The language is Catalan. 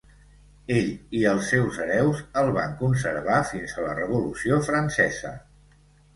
Ell i els seus hereus el van conservar fins a la Revolució Francesa.